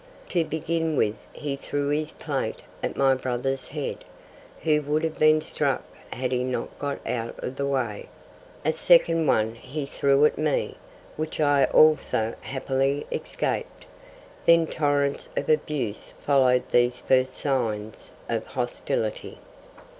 To begin with he threw his plate at my brother's head, who would have been struck had he not got out of the way; a second one he threw at me, which I also happily escaped; then torrents of abuse followed these first signs of hostility.